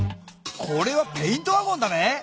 これはペイント・ワゴンだね！